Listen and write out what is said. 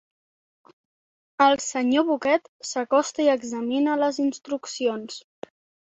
El senyor Bucket s'acosta i examina les instruccions.